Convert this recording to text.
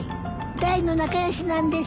大の仲良しなんですよ。